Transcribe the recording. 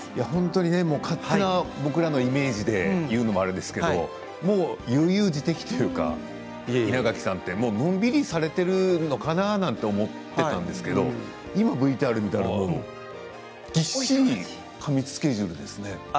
勝手な僕らのイメージで言うのもあれですけど悠々自適というか稲垣さんってのんびりされているのかなって思っていたんですけど今ＶＴＲ見たらぎっしり過密スケジュールですね。